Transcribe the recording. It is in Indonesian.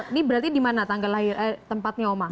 ini berarti di mana tempatnya umar